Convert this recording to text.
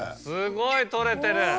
すごい取れてる。